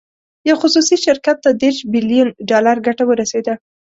یو خصوصي شرکت ته دېرش بیلین ډالر ګټه ورسېده.